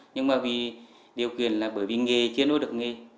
nhưng mà vì điều kiện là bởi vì nghề chưa nuôi được nghề